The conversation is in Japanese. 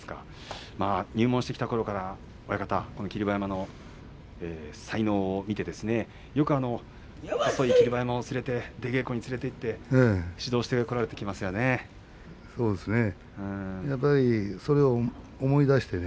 入門してきたころから親方は、この霧馬山の才能を見てよく細い霧馬山を連れて出稽古に連れていって指導してらっしゃいましたよね。